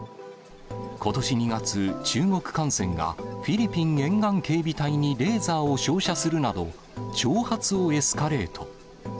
ことし２月、中国艦船がフィリピン沿岸警備隊にレーザーを照射するなど、挑発をエスカレート。